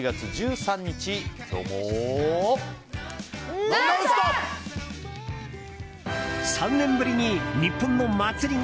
３年ぶりに日本の祭りが！